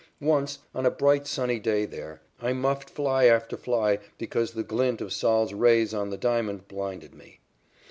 Once, on a bright, sunny day there, I muffed fly after fly because the glint of Sol's rays on the diamonds blinded me.